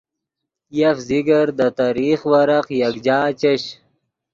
یف ذکر دے تریخ ورق یکجا چش